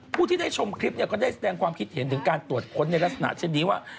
ผู้ที่ได้ชมคลิปเนี่ยก็ได้แสดงความคิดเห็นถึงการตรวจค้นในลักษณะเช่นนี้ว่า